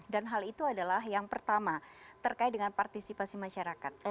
dan hal itu adalah yang pertama terkait dengan partisipasi masyarakat